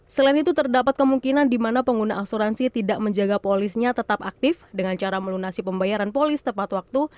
selain itu terdapat kemungkinan di mana pengguna asuransi tidak menjaga polisnya tetap aktif dengan cara melunasi pembayaran polis tepat waktu